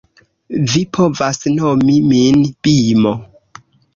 Vi povas nomi min Bimo